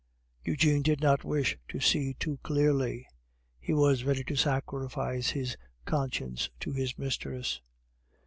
Eugene did not wish to see too clearly; he was ready to sacrifice his conscience to his mistress.